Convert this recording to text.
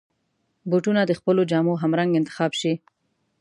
بوټونه د خپلو جامو همرنګ انتخاب شي.